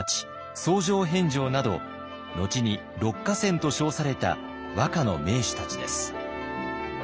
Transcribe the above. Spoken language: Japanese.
僧正遍昭など後に六歌仙と称された和歌の名手たちです。